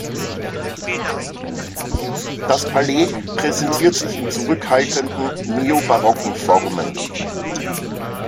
Das Palais präsentiert sich in zurückhaltenden neobarocken Formen.